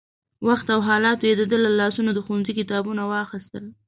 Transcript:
وخت او حالاتو يې د ده له لاسونو د ښوونځي کتابونه واخيستل.